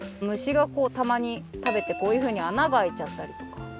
むしがこうたまにたべてこういうふうにあながあいちゃったりとか。